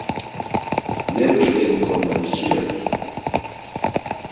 Mevuşveliǩo mafiçirert̆u.